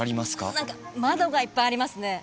何か窓がいっぱいありますね